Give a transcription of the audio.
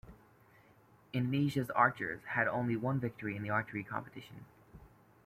Indonesia's archers had only one victory in the archery competition.